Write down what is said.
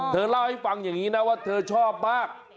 เธอเล่าให้ฟังอย่างนี้นะว่าเธอชอบมาก